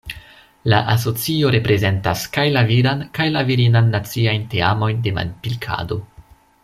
La asocio reprezentas kaj la viran kaj la virinan naciajn teamojn de manpilkado.